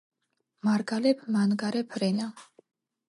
მარგალეფ მანგარეფ რენა